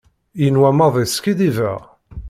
Yenwa maḍi skiddibeɣ.